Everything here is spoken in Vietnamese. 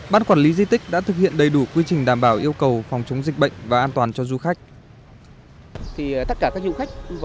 bán quản lý di tích đã thực hiện đầy đủ quy trình đảm bảo yêu cầu phòng chống dịch bệnh và an toàn cho du khách